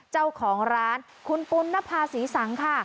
เจ้าของร้านคุณปุณนภาษีสังค่ะ